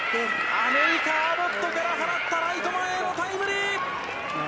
アメリカ、アボットから放ったライト前へのタイムリー。